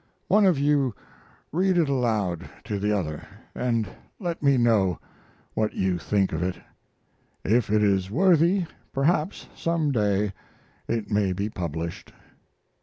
One of you read it aloud to the other, and let me know what you think of it. If it is worthy, perhaps some day it may be published."